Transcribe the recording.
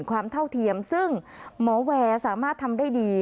เท่าเทียมซึ่งหมอแวร์สามารถทำได้ดี